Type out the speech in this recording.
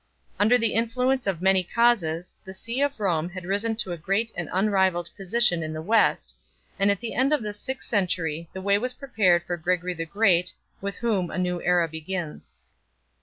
Under the influence of many causes, the see of Rome had risen to a great and unrivalled position in the West, and at the end of the sixth century the way was prepared for Gregory the Great, with whom a new era begins.